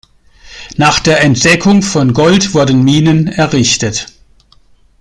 Nach der Entdeckung von Gold wurden Minen errichtet.